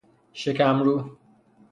شکم رو